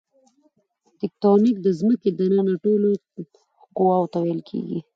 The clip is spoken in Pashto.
تکتونیک د ځمکې دننه ټولو قواوو ته ویل کیږي.